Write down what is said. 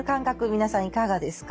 皆さんいかがですか？